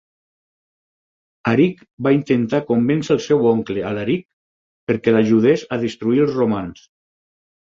Aric va intentar convèncer el seu oncle, Alaric, perquè l'ajudés a destruir els romans.